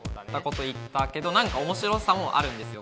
けど何か面白さもあるんですよ